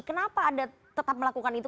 kenapa anda tetap melakukan itu